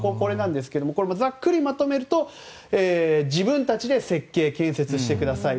ざっくりまとめると自分たちで設計・建設してくださいと。